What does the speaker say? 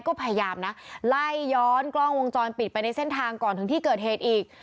ก็พยายามนะไล่ย้อนกล้องวงจรปิดไปในเส้นทางก่อนถึงที่เกิดเหตุอีก